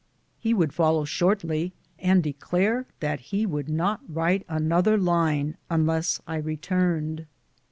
He would follow shortly, and declare that he would not write an other line unless I returned.